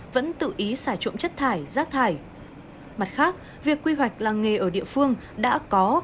vẫn tự ý xả trộm chất thải rác thải mặt khác việc quy hoạch làng nghề ở địa phương đã có